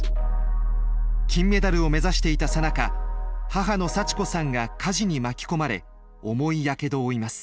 金メダルを目指していたさなか母の幸子さんが火事に巻き込まれ重いやけどを負います。